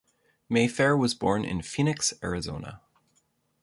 Mayfair was born in Phoenix, Arizona.